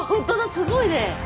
すごいね。